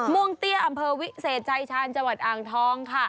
ม่วงเตี้ยอำเภอวิเศษชายชาญจังหวัดอ่างทองค่ะ